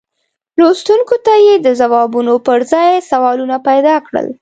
لوستونکو ته یې د ځوابونو پر ځای سوالونه پیدا کړل.